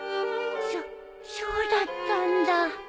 そそうだったんだ。